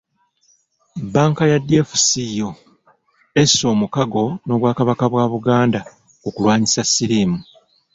Bbanka ya DFCU, esse omukago n'Obwakabaka bwa Buganda ku kulwanyisa siriimu.